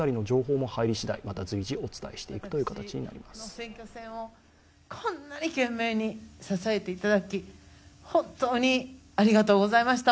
選挙戦をこんなに懸命に支えていただき本当にありがとうございました。